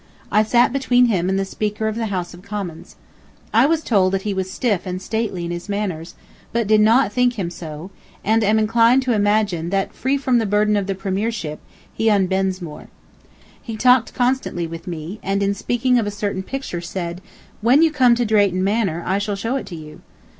I sat between him and the Speaker of the House of Commons. I was told that he was stiff and stately in his manners, but did not think him so, and am inclined to imagine that free from the burden of the Premiership, he unbends more. He talked constantly with me, and in speaking of a certain picture said, "When you come to Drayton Manor I shall show it to you."